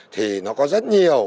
thì nó có rất nhiều